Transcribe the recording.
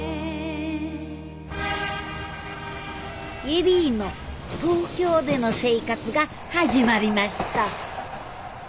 恵里の東京での生活が始まりました